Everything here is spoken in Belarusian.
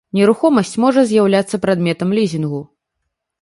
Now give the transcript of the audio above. Нерухомасць можа з'яўляцца прадметам лізінгу.